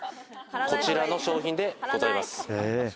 こちらの商品でございます。